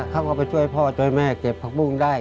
เขาก็ไปช่วยพ่อช่วยแม่เก็บผักบุ้งได้